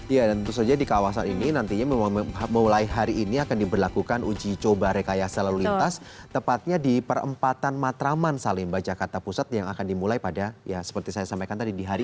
ya dan tentu saja di kawasan ini nantinya mulai hari ini akan diberlakukan uji coba rekayasa lalu lintas tepatnya di perempatan matraman salemba jakarta pusat yang akan dimulai pada ya seperti saya sampaikan tadi di hari